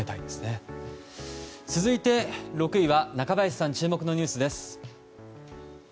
続いて６位は中林さん注目のニュースです。